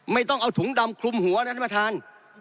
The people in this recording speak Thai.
ไม่ต้องเอาถุงดำคลุมหัวนะท่านประธาน